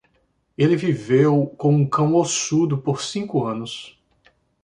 Ele viveu com um cão ossudo por cinco anos.